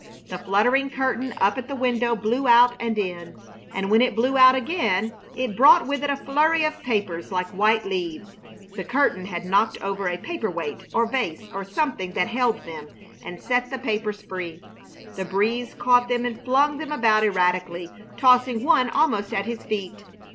The fluttering curtain up at the window blew out and in, and when it blew out again it brought with it a flurry of papers like white leaves. The curtain had knocked over a paper weight or vase or something that held them and set the papers free. The breeze caught them and flung them about erratically, tossing one almost at his feet.